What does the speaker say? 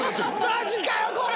マジかよこれ！